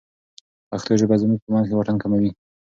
پښتو ژبه زموږ په منځ کې واټن کموي.